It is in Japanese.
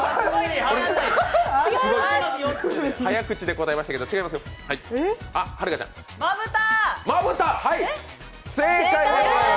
早口で答えましたけど、違います。